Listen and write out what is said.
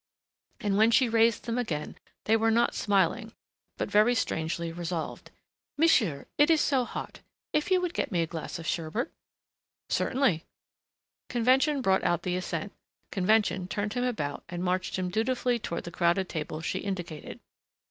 And when she raised them again they were not smiling but very strangely resolved. "Monsieur, it is so hot if you would get me a glass of sherbet?" "Certainly." Convention brought out the assent; convention turned him about and marched him dutifully toward the crowded table she indicated.